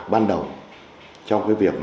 ban đầu trong việc